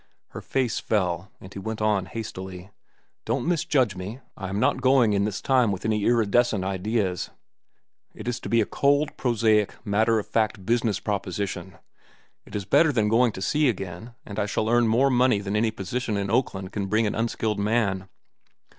Her face fell, and he went on hastily. "Don't misjudge me. I am not going in this time with any iridescent ideas. It is to be a cold, prosaic, matter of fact business proposition. It is better than going to sea again, and I shall earn more money than any position in Oakland can bring an unskilled man."